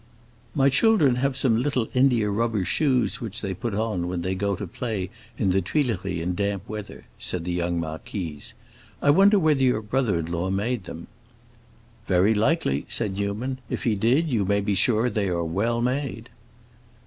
"My children have some little india rubber shoes which they put on when they go to play in the Tuileries in damp weather," said the young marquise. "I wonder whether your brother in law made them." "Very likely," said Newman; "if he did, you may be very sure they are well made."